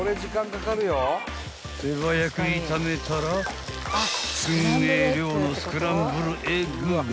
［手早く炒めたらすんげえ量のスクランブルエッグが］